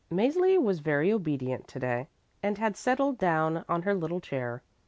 Mäzli was very obedient to day and had settled down on her little chair.